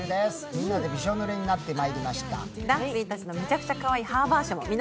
みんなでびしょ濡れになってまいりました。